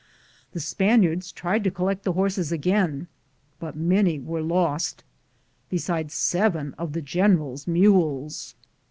The Spaniards tried to collect the horses again, but many were lost, besides seven of the general's mules.